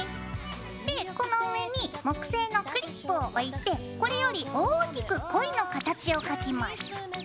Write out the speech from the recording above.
でこの上に木製のクリップを置いてこれより大きくコイの形を描きます。